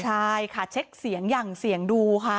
ใช่ค่ะเช็คเสียงอย่างเสียงดูค่ะ